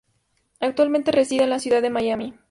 Actualmente reside en la ciudad de Miami.